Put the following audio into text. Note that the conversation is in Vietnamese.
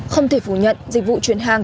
không thể phủ nhận dịch vụ chuyển hàng